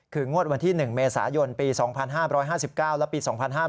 คืองวดวันที่๑เมษายนปี๒๕๕๙และปี๒๕๕๙